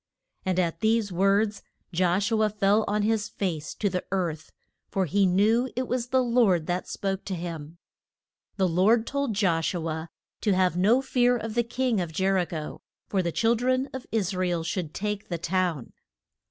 And at these words Josh u a fell on his face to the earth; for he knew it was the Lord that spoke to him. [Illustration: PASS ING THROUGH THE JOR DAN.] The Lord told Josh u a to have no fear of the king of Jer i cho, for the chil dren of Is ra el should take the town.